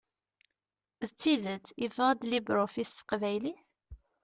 D tidet yeffeɣ-d LibreOffice s teqbaylit?